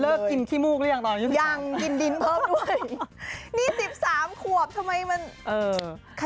เลิกกินขี้มูกหรือยังตอน๑๓อย่างกินดินเพิ่มด้วยนี่๑๓ขวบทำไมมันขนาดนี้เออ